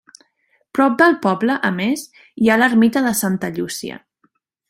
Prop del poble, a més, hi ha l'ermita de Santa Llúcia.